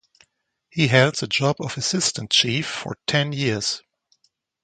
He held the job of Assistant Chief for ten years.